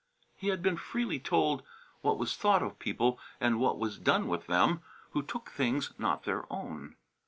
He had been freely told what was thought of people, and what was done with them, who took things not their own.